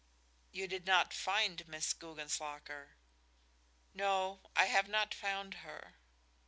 "You did not find Miss Guggenslocker." "No. I have not found her."